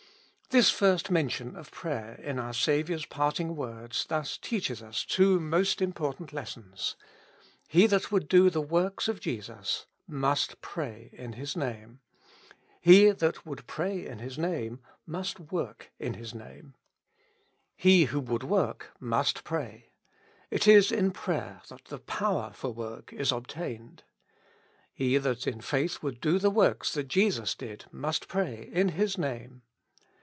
This first mention of prayer in our Saviour's parting words thus teaches us two most important lessons. He that would do the works of Jesus must pray in His Name. He that would pray in His Name tnust work in His Name. He who would work nmst pray : it is in prayer that the power for work is obtained. He that in faith would do the works that Jesus did, must pray in His Name.